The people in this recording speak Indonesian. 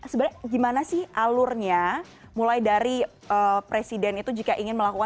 sebenarnya gimana sih alurnya mulai dari presiden itu jika ingin melakukan